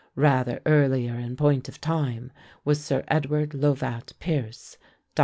Rather earlier in point of time was Sir Edward Lovat Pearce (d.